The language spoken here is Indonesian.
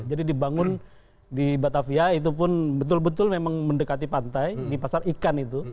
jadi dibangun di batavia itu pun betul betul memang mendekati pantai di pasar ikan itu